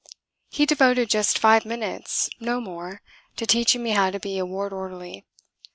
He devoted just five minutes, no more, to teaching me how to be a ward orderly.